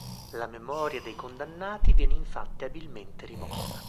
La memoria dei condannati viene infatti abilmente rimossa.